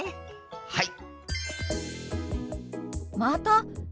はい！